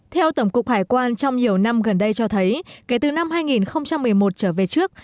theo tổng cục hải quan trong nhiều năm gần đây cho thấy kể từ năm hai nghìn một mươi một trở về trước